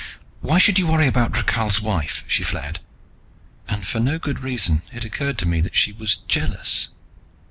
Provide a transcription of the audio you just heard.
"Why should you worry about Rakhal's wife?" she flared, and for no good reason it occurred to me that she was jealous.